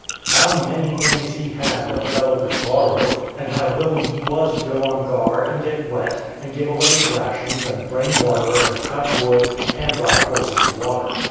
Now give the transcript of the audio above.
How many things he had that a fellow could borrow, and how willing he was to go on guard, and get wet, and give away his rations, and bring water, and cut wood, and ride horses to water!